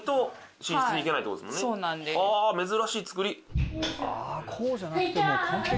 あ珍しい造り。